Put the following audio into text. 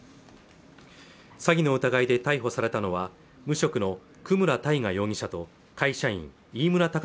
詐欺の疑いで逮捕されたのは無職の久村大賀容疑者と会社員飯村昴央